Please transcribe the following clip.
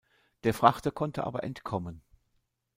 Der Frachter konnte aber entkommen.